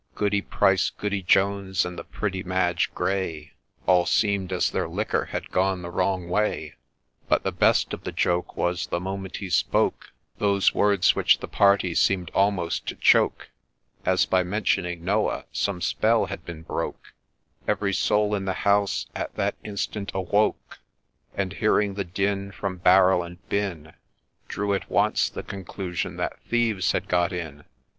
Goody Price, Goody Jones, and the pretty Madge Gray, All seem'd as their liquor had gone the wrong way. But the best of the joke was, the moment he spoke Those words which the party seem'd almost to choke, As by mentioning Noah some spell had been broke, Every soul in the house at that instant awoke I And, hearing the din from barrel and binn, Drew at once the conclusion that thieves had got in.